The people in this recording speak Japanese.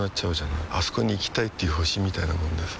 あそこに行きたいっていう星みたいなもんでさ